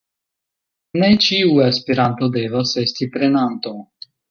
Ne ĉiu aspiranto devas esti prenanto.